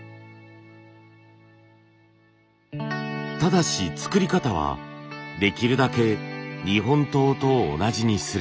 ただし作り方はできるだけ日本刀と同じにする。